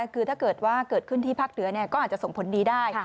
คือถ้าเกิดว่าเกิดขึ้นที่ภาคเหนือก็อาจจะส่งผลดีได้